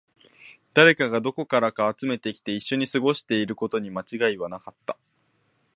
誰かがどこからか集めてきて、一緒に過ごしていることに間違いはなかった